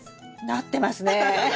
なってますね。